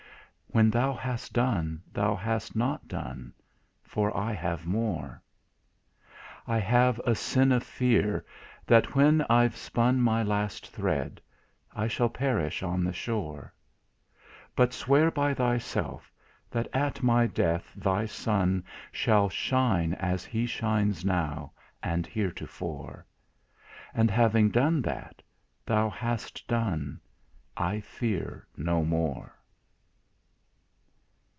When Thou hast done, Thou hast not done, For I have more. "I have a sin of fear, that when I've spun My last thread, I shall perish on the shore; But swear by Thyself, that at my death Thy Son Shall shine as He shines now, and heretofore; And having done that, Thou hast done, I fear no more."